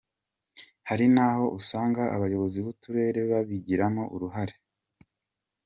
Hari n’aho usanga abayobozi b’uturere babigiramo uruhare.